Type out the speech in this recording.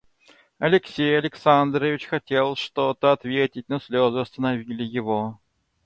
Алексей Александрович хотел что-то ответить, но слезы остановили его.